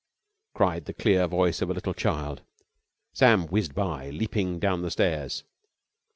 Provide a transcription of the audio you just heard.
cried the clear voice of a little child. Sam whizzed by, leaping down the stairs.